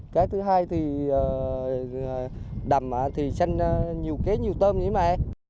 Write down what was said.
cái thứ hai thì đầm thì chanh nhiều kế nhiều tôm vậy mà